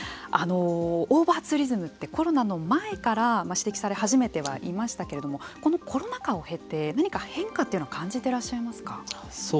オーバーツーリズムってコロナの前から指摘され始めてはいましたけれどもこのコロナ禍を経て何か変化というのは感じていらっしゃいますか。